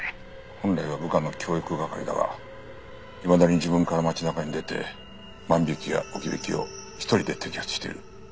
本来は部下の教育係だがいまだに自分から町中に出て万引きや置き引きを一人で摘発している。